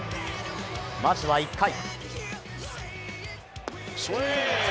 まずは１回。